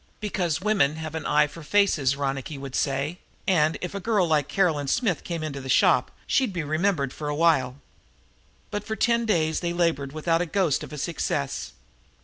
"Because women have the eye for faces," Ronicky would say, "and, if a girl like Caroline Smith came into the shop, she'd be remembered for a while." But for ten days they labored without a ghost of a success.